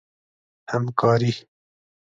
همکاري